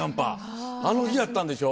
あの日やったんでしょ？